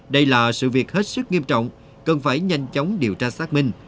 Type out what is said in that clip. đây là sự việc hết sức nghiêm trọng cần phải nhanh chóng điều tra xác minh